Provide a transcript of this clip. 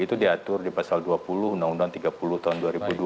itu diatur di pasal dua puluh undang undang tiga puluh tahun dua ribu dua